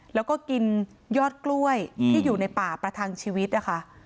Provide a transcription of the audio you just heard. แล้วก็กินยอดกล้วยที่อยู่ในป่าประทังชีวิตนะคะ